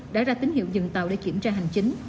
đã ra tín hiệu dừng tàu để kiểm tra hành chính